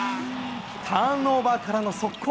ターンオーバーからの速攻。